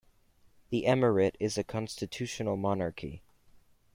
The emirate is a constitutional monarchy.